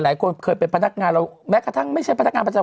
หลายคนเคยเป็นพนักงานเราแม้กระทั่งไม่ใช่พนักงานประจำ